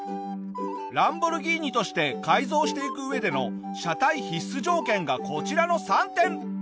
ランボルギーニとして改造していく上での車体必須条件がこちらの３点。